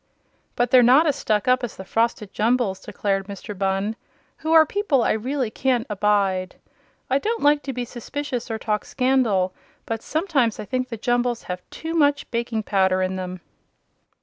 "But they're not as stuck up as the Frosted Jumbles," declared Mr. Bunn, "who are people I really can't abide. I don't like to be suspicious or talk scandal, but sometimes I think the Jumbles have too much baking powder in them."